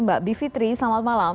mbak bivitri selamat malam